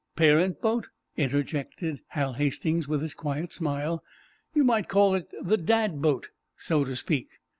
"Parent boat?" interjected Hal Hastings, with his quiet smile. "You might call it the 'Dad' boat, so to speak."